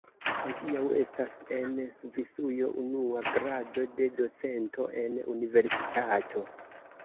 Hodiaŭ estas en Svisujo unua grado de docento en universitato.